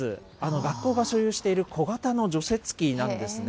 学校が所有している小型の除雪機なんですね。